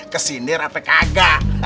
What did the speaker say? kesindir atau kagak